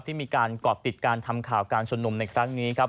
ที่มีการก่อติดการทำข่าวการชุมนุมในครั้งนี้ครับ